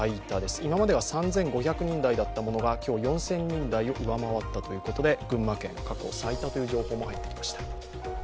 今までは３５００人台だったものが今日、４０００人台を上回ったということで群馬県、過去最多という情報も入ってきました。